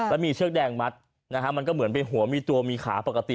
แล้วมีเชือกแดงมัดนะฮะมันก็เหมือนเป็นหัวมีตัวมีขาปกติ